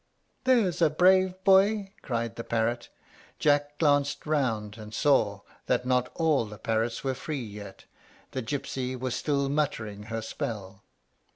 "There's a brave boy!" cried the parrot. Jack glanced round, and saw that not all the parrots were free yet, the gypsy was still muttering her spell.